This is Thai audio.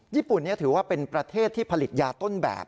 ญี่ปุ่นถือว่าเป็นประเทศที่ผลิตยาต้นแบบ